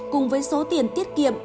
cùng với số tiền tiết kiệm